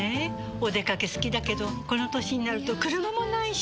お出かけ好きだけどこの歳になると車もないし。